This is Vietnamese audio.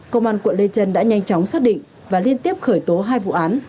công an quận lê trân đã nhanh chóng xác định và liên tiếp khởi tố hai vụ án